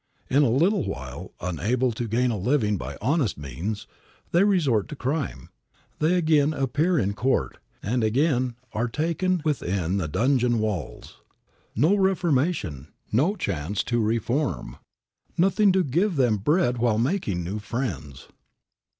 In a little while, unable to gain a living by honest means, they resort to crime, they again appear in court, and again are taken within the dungeon walls. No reformation, no chance to reform, nothing to give them bread while making new friends.